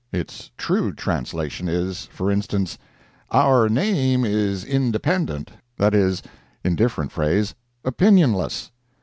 It's true translation is, for instance: "Our name is Independent—that is, in different phrase, Opinionless.